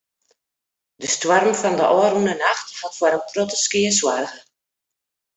De stoarm fan de ôfrûne nacht hat foar in protte skea soarge.